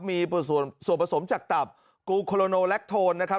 มีส่วนส่วนส่วนผสมจากตับกลูกคลโลโนแลคโทนนะครับ